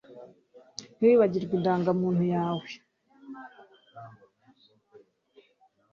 Ntiwibagirwe indangamuntu yawe